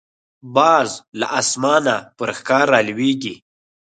باز له اسمانه پر ښکار راولويږي